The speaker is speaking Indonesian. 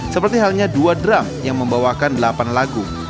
seperti halnya dua drum yang membawakan delapan lagu